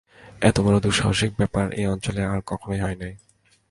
এত বড়ো দুঃসাহসিক ব্যাপার এ অঞ্চলে আর কখনো হয় নাই।